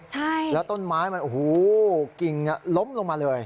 ใช่แล้วต้นไม้มันโอ้โหกิ่งล้มลงมาเลย